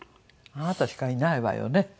あなたしかいないわよね。